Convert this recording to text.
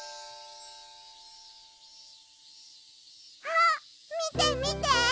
あっみてみて！